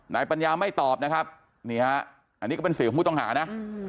ปัญญาไม่ตอบนะครับนี่ฮะอันนี้ก็เป็นเสียงของผู้ต้องหานะ